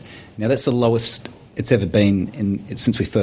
sekarang itu adalah yang paling rendah yang pernah terjadi